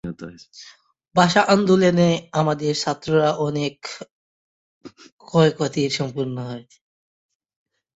কিন্তু ভাষা আন্দোলনে সক্রিয় অংশগ্রহণ, শারীরিক অসুস্থতা ও পারিবারিক নানা সমস্যার কারণে ঢাকা কলেজে এইচএসসি সম্পন্ন করতে পারেন নি তিনি।